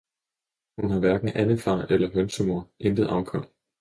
Hun har hverken andefar eller hønsemor, intet afkom!